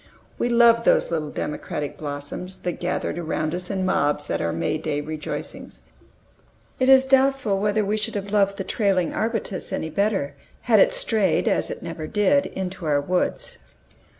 We loved these little democratic blossoms, that gathered around us in mobs at our May Day rejoicings. It is doubtful whether we should have loved the trailing arbutus any better, had it strayed, as it never did, into our woods.